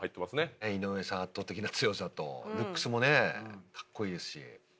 圧倒的な強さとルックスもねカッコいいですし。